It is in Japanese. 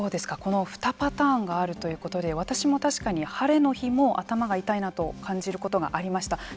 この２パターンがあるということで私も確かに晴れの日も頭が痛いなと感じることがありました。